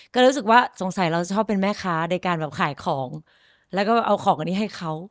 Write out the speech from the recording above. ก็รู้สึกว่าสงสัยเราจะชอบเป็นแม่ค้าในการแบบขายของแล้วก็เอาของอันนี้ให้เขา